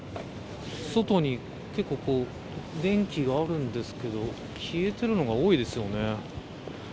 外に結構電気があるんですけど消えているのが多いですよね。